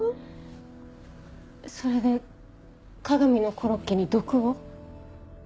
それで加賀美のコロッケに毒を？